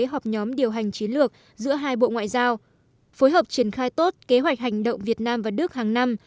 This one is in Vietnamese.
họp nhóm điều hành chiến lược giữa hai bộ ngoại giao phối hợp triển khai tốt kế hoạch hành động việt nam và đức hàng năm